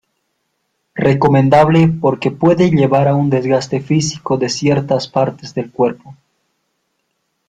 Recomendable porque puede llevar a un desgaste físico de ciertas partes del cuerpo.